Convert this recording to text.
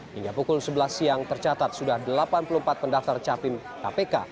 hingga pukul sebelas siang tercatat sudah delapan puluh empat pendaftar capim kpk